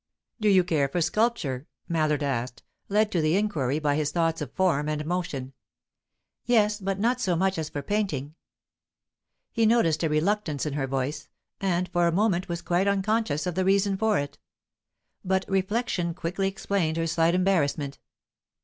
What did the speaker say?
"Do you care for sculpture?" Mallard asked, led to the inquiry by his thoughts of form and motion. "Yes; but not so much as for painting." He noticed a reluctance in her voice, and for a moment was quite unconscious of the reason for it. But reflection quickly explained her slight embarrassment.